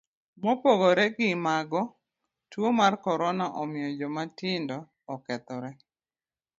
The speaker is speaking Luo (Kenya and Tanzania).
Mopogore gimago, tuo mar korona omiyo joma tindo okethore.